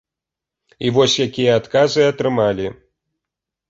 І вось, якія адказы атрымалі.